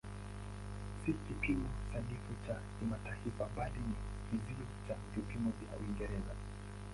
Si kipimo sanifu cha kimataifa bali ni kizio cha vipimo vya Uingereza.